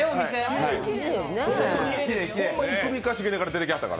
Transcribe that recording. ママも首かしげながら出てきはった。